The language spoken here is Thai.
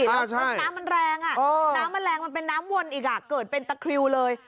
เพราะน้ำมันแรงมันเป็นน้ำวนอีกเกิดเป็นตะคริวเลย